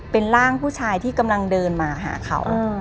เป็นร่างผู้ชายที่กำลังเดินมาหาเขา